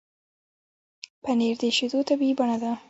پنېر د شیدو طبیعي بڼه ده.